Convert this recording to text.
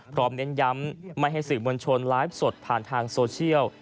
เน้นย้ำไม่ให้สื่อมวลชนไลฟ์สดผ่านทางโซเชียล